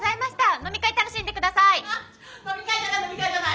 飲み会楽しんで下さい！